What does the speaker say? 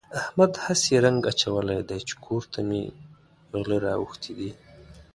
احمد هسې رنګ اچولی دی چې کور ته مې غله راوښتي دي.